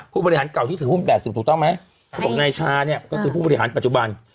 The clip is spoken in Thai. ผู้บริหารเก่าที่ถือหุ้น๘๐ถูกต้องไหมเขาบอกนายชาเนี่ยก็คือผู้บริหารปัจจุบัน